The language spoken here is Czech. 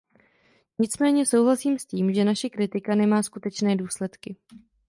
Nicméně souhlasím s tím, že naše kritika nemá skutečné důsledky.